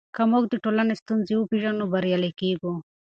که موږ د ټولنې ستونزې وپېژنو نو بریالي کیږو.